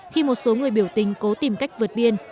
khi một số người biểu tình cố tìm cách vượt biên